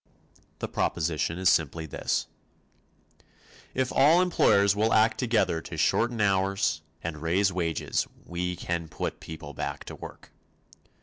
The proposition is simply this: If all employers will act together to shorten hours and raise wages we can put people back to work.